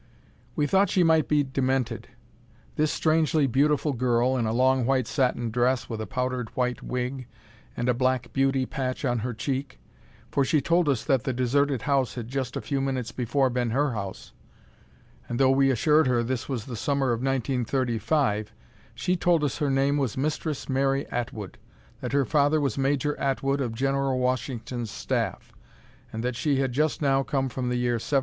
We thought she might be demented this strangely beautiful girl, in a long white satin dress with a powdered white wig, and a black beauty patch on her cheek for she told us that the deserted house had just a few minutes before been her house; and though we assured her this was the summer of 1935, she told us her name was Mistress Mary Atwood, that her father was Major Atwood of General Washington's staff, and that she had just now come from the year 1777!